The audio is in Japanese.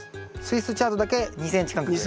スイスチャードだけ２ｃｍ間隔で。